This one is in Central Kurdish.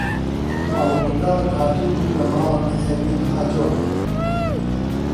ماڵ و منداڵت هاتوون و لە ماڵە محێددین حاجۆن